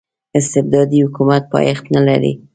استبدادي حکومت پایښت نلري.